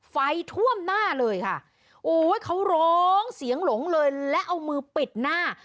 ไฟท่วมหน้าเลยค่ะโอ้ยเขาร้องเสียงหลงเลยและเอามือปิดหน้า